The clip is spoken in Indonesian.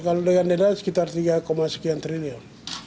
kalau dengan denda sekitar tiga triliun